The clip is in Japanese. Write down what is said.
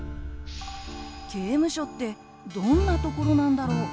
刑務所ってどんなところなんだろう？